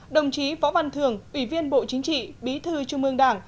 đồng chí võ văn thường ủy viên bộ chính trị bí thư trung ương đảng